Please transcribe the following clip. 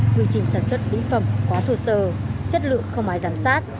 nguyên trình sản xuất bí phẩm quá thô sơ chất lượng không ai giám sát